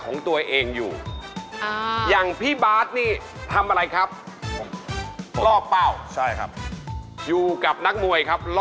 หนุ่มครับสวัสดีครับชื่อนุ่มครับผมครับ